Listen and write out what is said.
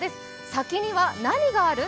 「先には何がある？